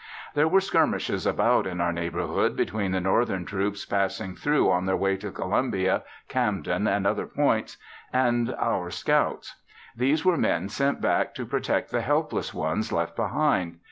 There were skirmishes about in our neighborhood between the northern troops passing through on their way to Columbia, Camden and other points, and our scouts. These were men sent back to protect the helpless ones left behind.